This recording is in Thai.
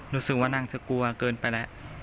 รู้สึกว่านางจะกลัวเกินไปแล้ว